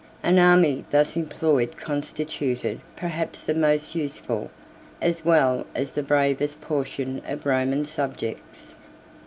An army thus employed constituted perhaps the most useful, as well as the bravest, portion of Roman subjects.